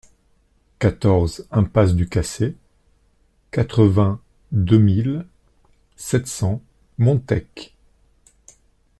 quatorze impasse du Cassé, quatre-vingt-deux mille sept cents Montech